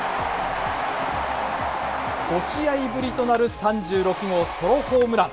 ５試合ぶりとなる３６号ソロホームラン。